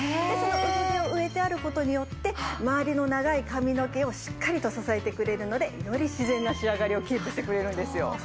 でそのうぶ毛を植えてある事によって周りの長い髪の毛をしっかりと支えてくれるのでより自然な仕上がりをキープしてくれるんですよ。